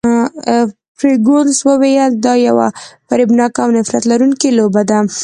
فرګوسن وویل، دا یوه فریبناکه او نفرت لرونکې لوبه ده.